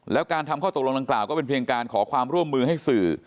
แล้วการทำข้อตกลงดังกล่าวก็เป็นเพียงการขอความร่วมมือให้สื่อ